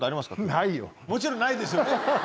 もちろんないですよね